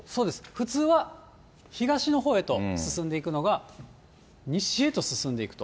普通は東のほうへと進んでいくのが、西へと進んでいくと。